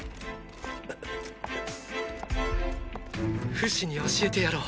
フシに教えてやろう。